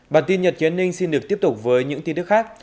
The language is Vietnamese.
bản tin nhật kiến ninh xin được tiếp tục với những tin tức khác